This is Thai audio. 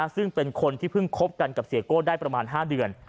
ซึ่งเป็นคนที่เพิ่งคบกันกับเสียโก้ได้ประมาณ๕เดือน